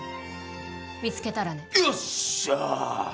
見つけたらねよっしゃ！